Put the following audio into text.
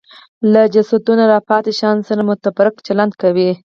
له جسدونو راپاتې شیانو سره متبرک چلند کوي